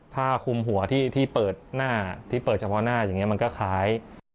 พาคุมหัวที่เปิดเฉพาะหน้าอย่างนี้มันก็คล้าย